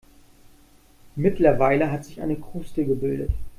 Mittlerweile hat sich eine Kruste gebildet.